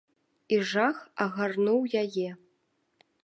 І жах агарнуў яе.